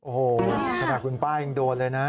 โอ้โฮประมาทคุณป้ายังโดนเลยนะ